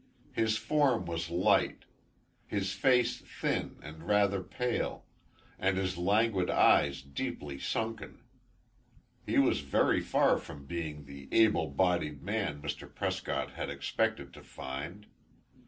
His form was light, his face thin and rather pale, and his languid eyes deeply sunken. He was very far from being the able bodied man Mr. Prescott had expected to find.